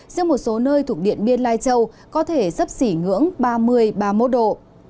riêng một số nơi thuộc điện biên lai châu có thể sấp xỉ ngưỡng ba mươi ba mươi một độ